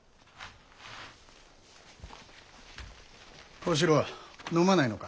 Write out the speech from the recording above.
小四郎飲まないのか。